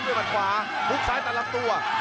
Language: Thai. เผื่อมันขวาหักซ้ายมันลำตั้ว